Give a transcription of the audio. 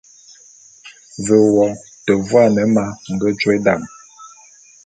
Ve wo te vuane ma nge jôe dam.